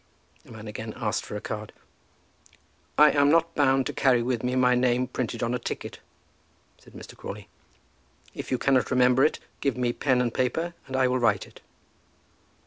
The man again asked for a card. "I am not bound to carry with me my name printed on a ticket," said Mr. Crawley. "If you cannot remember it, give me pen and paper, and I will write it."